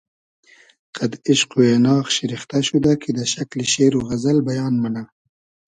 قئد ایشق و اېناغ شیرختۂ شودۂ کی دۂ شئکلی شېر و غئزئل بیان مونۂ